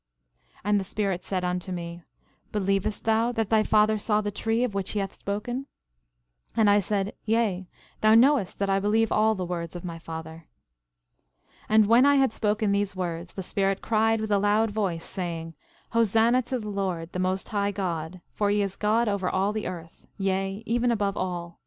11:4 And the Spirit said unto me: Believest thou that thy father saw the tree of which he hath spoken? 11:5 And I said: Yea, thou knowest that I believe all the words of my father. 11:6 And when I had spoken these words, the Spirit cried with a loud voice, saying: Hosanna to the Lord, the most high God; for he is God over all the earth, yea, even above all.